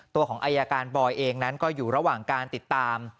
ตัวของอายการบอยเองนั้นก็อยู่ระหว่างการติดตาม